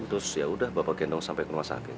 terus yaudah bapak gendong sampai ke rumah sakit